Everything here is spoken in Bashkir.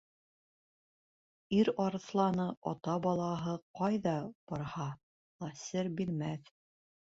Ир арыҫланы, ата балаһы, ҡайҙа барһа ла сер бирмәҫ.